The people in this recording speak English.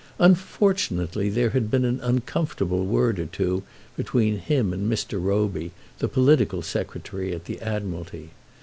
Unfortunately there had been an uncomfortable word or two between him and Mr. Roby, the political Secretary at the Admiralty.